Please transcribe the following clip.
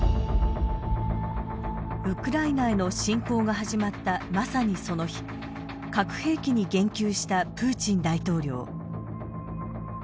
ウクライナへの侵攻が始まったまさにその日核兵器に言及したプーチン大統領。